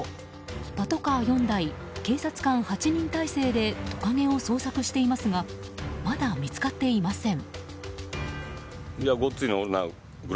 パトカー４台警察官８人態勢でトカゲを捜索していますがまだ見つかっていません。